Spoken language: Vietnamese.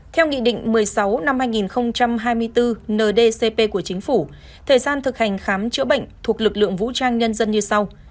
theo nghị định một mươi sáu năm hai nghìn hai mươi bốn ndcp của chính phủ thời gian thực hành khám chữa bệnh thuộc lực lượng vũ trang nhân dân như sau